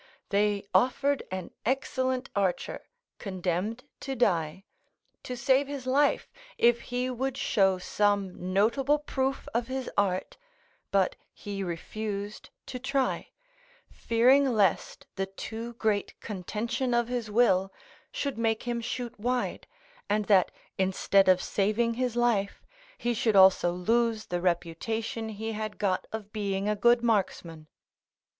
They offered an excellent archer, condemned to die, to save his life, if he would show some notable proof of his art, but he refused to try, fearing lest the too great contention of his will should make him shoot wide, and that instead of saving his life, he should also lose the reputation he had got of being a good marksman.